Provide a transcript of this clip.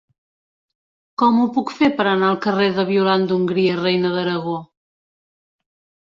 Com ho puc fer per anar al carrer de Violant d'Hongria Reina d'Aragó?